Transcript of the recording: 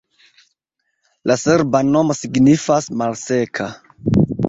La serba nomo signifas: malseka.